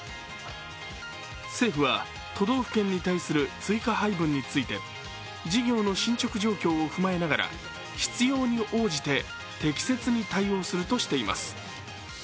政府は都道府県に対する追加配分について、事業の進捗状況を踏まえながら必要に応じてて適切に対応するとしています。